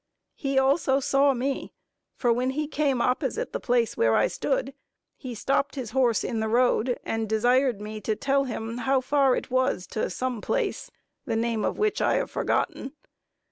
He also saw me; for when he came opposite the place where I stood, he stopped his horse in the road, and desired me to tell him how far it was to some place, the name of which I have forgotten.